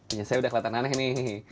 ini saya udah kelihatan aneh nih